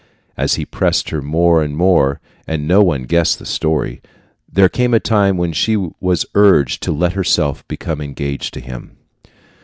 As he pressed her more and more, and no one guessed the story, there came a time when she was urged to let herself become engaged to him.